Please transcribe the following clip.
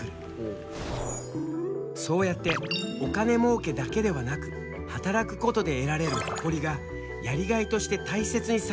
そうやってお金もうけだけではなく働くことで得られる誇りがやりがいとして大切にされるようにもなってきたんだ。